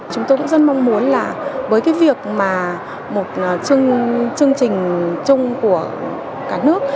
chúng tôi cũng rất mong muốn là với cái việc mà một chương trình chung của cả nước